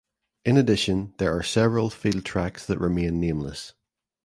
In addition there are several field tracks that remain nameless.